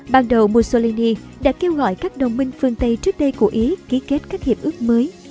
ban đầu mussolini đã kêu gọi các đồng minh phương tây trước đây của ý ký kết các hiệp ước mới